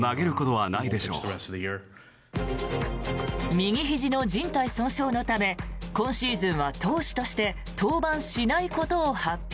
右ひじのじん帯損傷のため今シーズンは投手として登板しないことを発表。